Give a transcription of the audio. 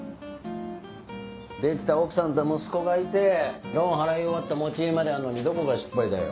出来た奥さんと息子がいてローンを払い終わった持ち家まであるのにどこが失敗だよ。